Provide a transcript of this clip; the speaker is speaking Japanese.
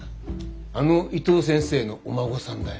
あの伊藤先生のお孫さんだよ。